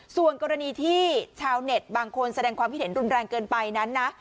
ส่วนกรณีที่ชาวเน็ตบางคนแสดงความคิดเห็นรุนแรงเกินไปนั้นนะ